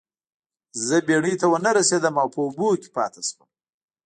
زه بیړۍ ته ونه رسیدم او په اوبو کې پاتې شوم.